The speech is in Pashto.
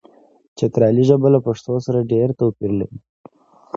چترالي ژبه له پښتو سره ډېر توپیر لري.